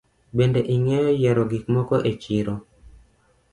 Bende ingeyo yiero gik moko e chiro.